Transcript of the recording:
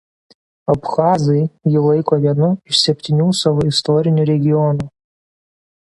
Abchazai jį laiko vienu iš septynių savo istorinių regionų.